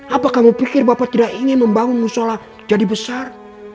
apa kamu pikir bapak tidak ingin membangun musola jadi besar